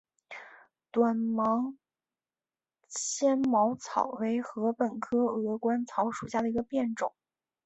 短芒纤毛草为禾本科鹅观草属下的一个变种。